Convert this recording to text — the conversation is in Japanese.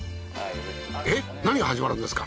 えっ何が始まるんですか？